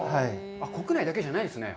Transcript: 国内だけじゃないんですね。